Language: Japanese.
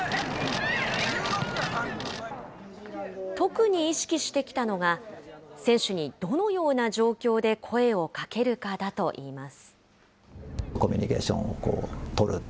特に意識してきたのが、選手にどのような状況で声をかけるかだといいます。